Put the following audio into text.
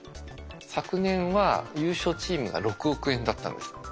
昨年は優勝チームが６億円だったんです。